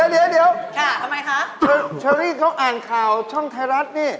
เธอโชอร์รีต้องอ่านข่าวช่องไทยรัฐนี่